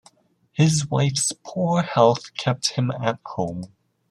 His wife's poor health kept him at home.